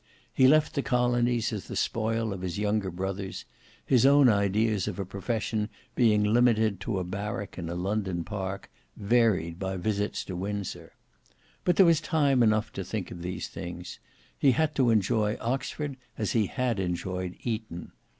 He left the colonies as the spoil of his younger brothers; his own ideas of a profession being limited to a barrack in a London park, varied by visits to Windsor. But there was time enough to think of these things. He had to enjoy Oxford as he had enjoyed Eton.